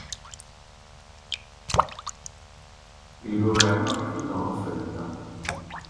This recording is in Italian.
Il governo rifiutò l'offerta.